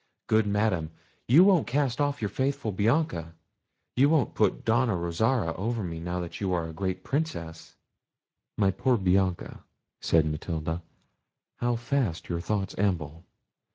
—Good madam, you won't cast off your faithful Bianca: you won't put Donna Rosara over me now you are a great Princess." "My poor Bianca," said Matilda, "how fast your thoughts amble!